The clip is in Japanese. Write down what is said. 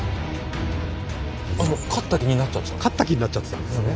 勝った気になっちゃってたんですね。